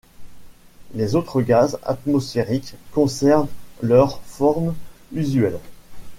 Les autres gaz atmosphériques conservent leur forme usuelle.